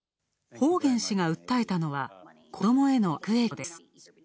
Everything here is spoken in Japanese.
ホーゲン氏が訴えたのは、子どもへの悪影響です。